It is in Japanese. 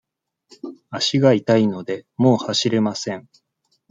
足が痛いので、もう走れません。